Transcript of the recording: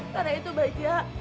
karena itu bajak